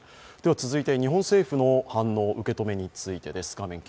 続いて日本政府の反応、受け止めについてです。